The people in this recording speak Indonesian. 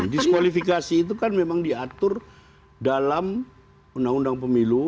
diskualifikasi itu kan memang diatur dalam undang undang pemilu